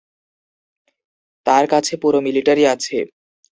তার কাছে পুরো মিলিটারি আছে।